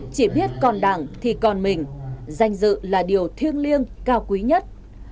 chỉ biết còn đảng thì còn mình danh dự là điều thiêng liêng cao quý nhất